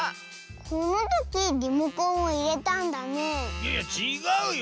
このときリモコンをいれたんだねいやちがうよ。